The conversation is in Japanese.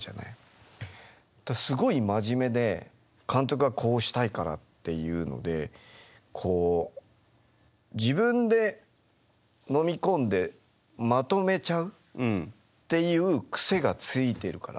すごい真面目で監督がこうしたいからっていうのでこう自分でのみ込んでまとめちゃうっていう癖がついているから。